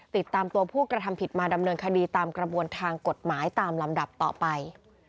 ติดตามตัวผู้กระทำผิดมาดำเนินคดีตามกระบวนทางกฎหมายตามลำดับต่อไป